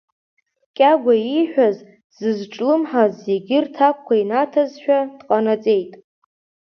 Кьагәа ииҳәаз, дзызҿлымҳаз зегьы рҭакқәа инаҭазшәа, дҟанаҵеит.